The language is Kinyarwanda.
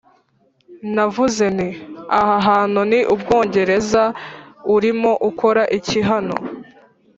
navuze nti 'aha hantu ni ubwongereza, urimo ukora iki hano?',